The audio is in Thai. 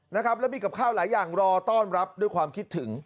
นะครับแล้วมีกับข้าวหลายอย่างรอต้อนรับด้วยความคิดถึง